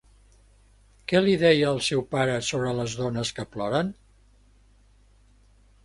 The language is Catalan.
Què li deia el seu pare sobre les dones que ploren?